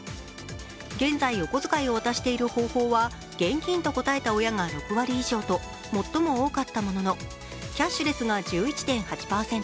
現在、お小遣いを渡している方法は現金と答えた親が６割以上と最も多かったもののキャッシュレスが１１．８％